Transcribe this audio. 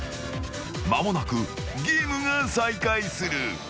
まもなくゲームが再開する。